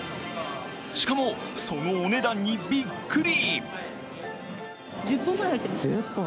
しかも、そのお値段にびっくり。